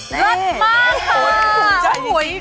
เลย